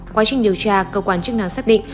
quá trình điều tra cơ quan chức năng xác định